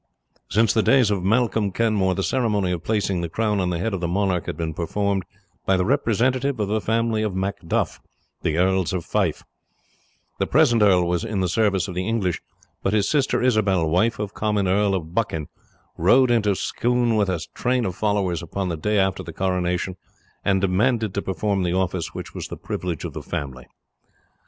Since the days of Malcolm Canmore the ceremony of placing the crown on the head of the monarch had been performed by the representative of the family of Macduff, the earls of Fife; the present earl was in the service of the English; but his sister Isobel, wife of Comyn, Earl of Buchan, rode into Scone with a train of followers upon the day after the coronation, and demanded to perform the office which was the privilege of the family.